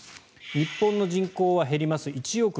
日本の人口は減ります。